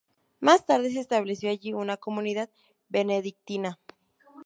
Más tarde, se estableció allí una comunidad benedictina.